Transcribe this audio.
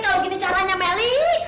kalau gini caranya meli